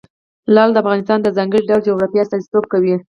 لعل د افغانستان د ځانګړي ډول جغرافیه استازیتوب کوي.